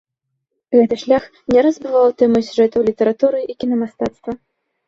Гэты шлях не раз бываў тэмай сюжэтаў літаратуры і кінамастацтва.